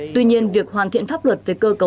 tuy nhiên việc hoàn thiện pháp luật về cơ cấu